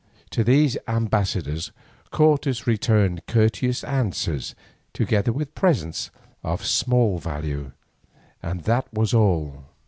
To these ambassadors Cortes returned courteous answers together with presents of small value, and that was all.